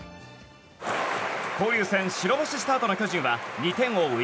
交流戦白星スタートの巨人は２点を追う